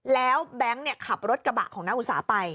แล้วแบงค์ขับรถกระบะของนางอุสาไป